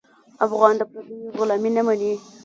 افغان د پردیو غلامي نه مني.